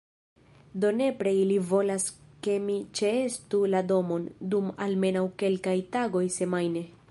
Do nepre ili volas ke mi ĉeestu la domon, dum almenaŭ kelkaj tagoj semajne